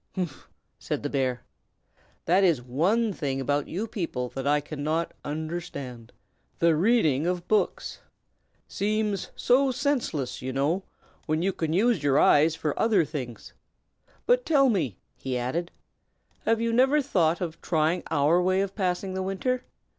"Humph!" said the bear. "That is one thing about you people that I cannot understand, the reading of books. Seems so senseless, you know, when you can use your eyes for other things. But, tell me," he added, "have you never thought of trying our way of passing the winter?